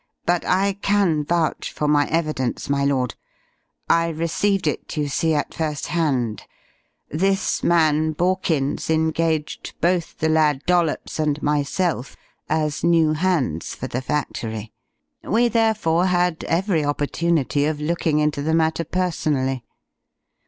But I can vouch for my evidence, my lord. I received it, you see, at first hand. This man Borkins engaged both the lad Dollops and myself as new hands for the factory. We therefore had every opportunity of looking into the matter personally."